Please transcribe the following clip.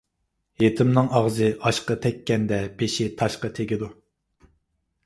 يېتىمنىڭ ئاغزى ئاشقا تەگكەندە، بېشى تاشقا تېگىدۇ.